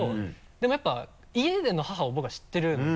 でもやっぱ家での母を僕は知ってるので。